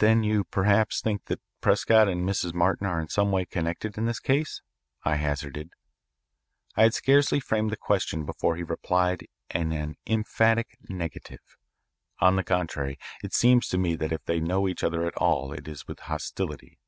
"Then you perhaps think that Prescott and Mrs. Martin are in some way connected in this case?" I hazarded. I had scarcely framed the question before he replied in an emphatic negative. "On the contrary, it seems to me that if they know each other at all it is with hostility.